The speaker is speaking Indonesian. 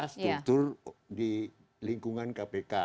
setutu di lingkungan kpk